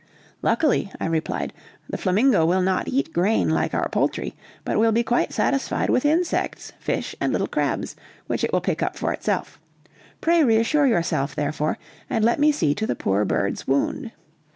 "Luckily," I replied, "the flamingo will not eat grain like our poultry, but will be quite satisfied with insects, fish, and little crabs, which it will pick up for itself. Pray reassure yourself, therefore, and let me see to the poor bird's wound."